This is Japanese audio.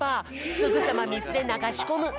すぐさまみずでながしこむ。